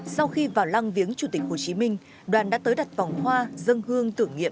sau khi vào lăng viếng chủ tịch hồ chí minh đoàn đã tới đặt vòng hoa dân hương tưởng niệm